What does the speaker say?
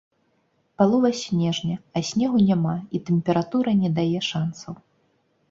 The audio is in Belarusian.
Палова снежня, а снегу няма і тэмпература не дае шансаў.